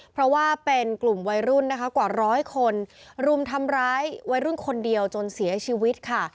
เพราะว่าเป็นกลุ่มวัยรุ่นนะคะกว่าร้อยคนรุมทำร้ายวัยรุ่นคนเดียวจนเสียชีวิตค่ะ